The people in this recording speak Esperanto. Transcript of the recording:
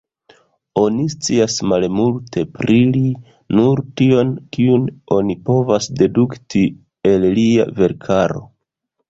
Oni scias malmulte pri li, nur tion kiun oni povas dedukti el lia verkaro.